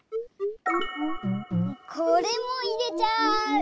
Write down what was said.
これもいれちゃう。